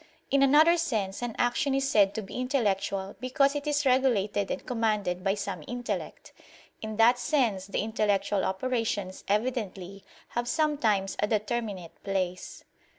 In another sense an action is said to be intellectual because it is regulated and commanded by some intellect; in that sense the intellectual operations evidently have sometimes a determinate place.